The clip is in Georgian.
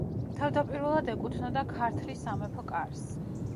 თავდაპირველად ეკუთვნოდა ქართლის სამეფო კარს.